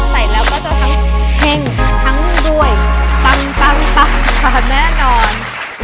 ใส่แล้วก็จะทั้งเฮ่งทั้งด้วยปังปังค่ะแน่นอน